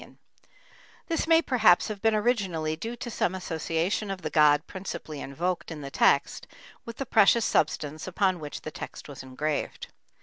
This may perhaps have been originally due to some association of the god principally invoked in the text with the precious substance upon which the text was engraved.